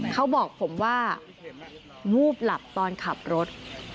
เขาบอกผมว่าวูบหลับตอนขับรถ